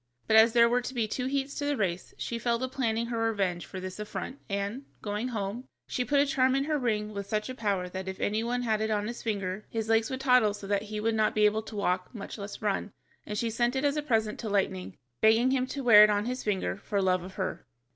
But as there were to be two heats to the race, she fell to planning her revenge for this affront, and, going home, she put a charm in her ring with such a power that if any one had it on his finger, his legs would toddle so that he would not be able to walk, much less to run, and she sent it as a present to Lightning, begging him to wear it on his finger for love of her.